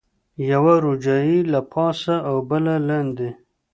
یوه روجایۍ له پاسه او بله لاندې.